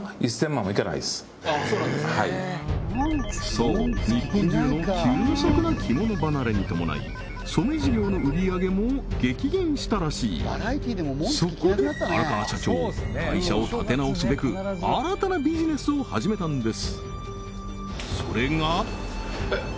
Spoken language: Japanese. そう日本中の急速な着物離れに伴い染め事業の売り上げも激減したらしいそこで荒川社長会社を立て直すべく新たなビジネスを始めたんです